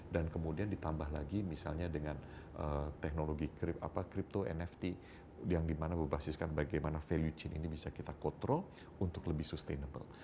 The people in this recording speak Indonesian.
dan kemudian ditambah lagi misalnya dengan teknologi crypto nft yang dimana berbasiskan bagaimana value chain ini bisa kita control untuk lebih sustainable